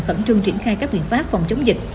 khẩn trương triển khai các biện pháp phòng chống dịch